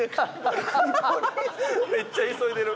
めっちゃ急いでる。